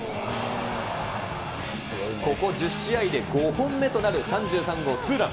ここ１０試合で５本目となる３３号ツーラン。